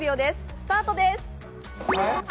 スタートです。